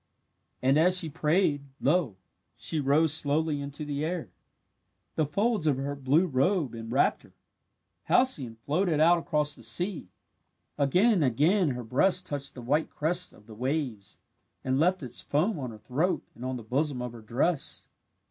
And as she prayed, lo, she rose slowly into the air. The folds of her blue robe enwrapped her. Halcyone floated out across the sea. Again and again her breast touched the white crest of the waves and left its foam on her throat and on the bosom of her dress.